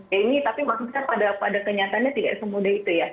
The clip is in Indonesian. ya ini tapi maksudnya pada kenyataannya tidak semudah itu ya